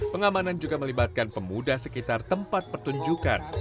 pengamanan juga melibatkan pemuda sekitar tempat pertunjukan